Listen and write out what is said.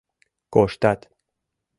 Коштат.